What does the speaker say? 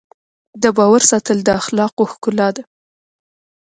د باور ساتل د اخلاقو ښکلا ده.